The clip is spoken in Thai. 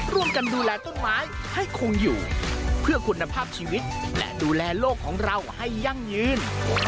ร่วมกันดูแลต้นไม้ให้คงอยู่เพื่อคุณภาพชีวิตและดูแลโลกของเราให้ยั่งยืน